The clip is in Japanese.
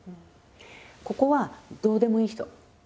ここはどうでもいい人。